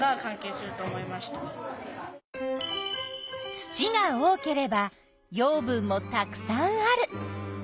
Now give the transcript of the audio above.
土が多ければ養分もたくさんある。